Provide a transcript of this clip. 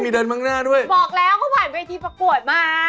บอกแล้วเขาผ่านไปที่ประกวดมา